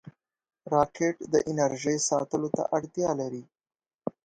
راکټ د انرژۍ ساتلو ته اړتیا لري